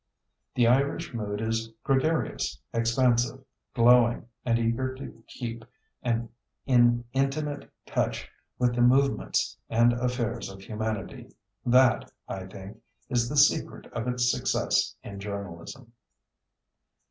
The Irish mood is gregarious, expansive, glowing, and eager to keep in intimate touch with the movements and affairs of humanity. That, I think, is the secret of its success in journalism.